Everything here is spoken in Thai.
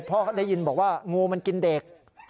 พ่อก็ได้ยินบอกว่างูมันกินเด็ก